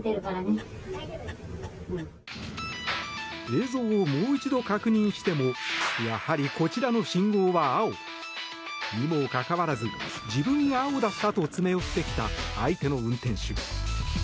映像をもう一度確認してもやはりこちらの信号は青。にもかかわらず自分が青だったと詰め寄ってきた相手の運転手。